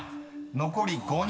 ［残り５人］